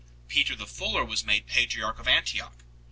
Peter the Fuller was made patriarch of Antioch.